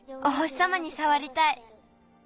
お星さまにさわりたい。